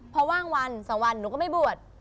พอว่างวัน๒วันหนูก็ไม่บวช